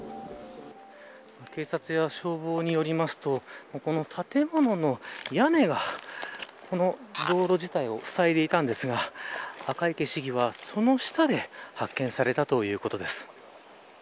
警察や消防によりますとここの建物の屋根がこの道路自体をふさいでいたんですが赤池市議はその下で発見されたということです。